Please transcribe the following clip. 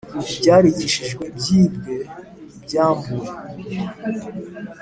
Ibyarigishijwe Ibyibwe Ibyambuwe